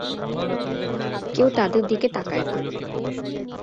কেউ তাদের দিকে তাকায় না।